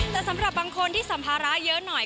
แต่สำหรับบางคนที่สัมภาระเยอะหน่อย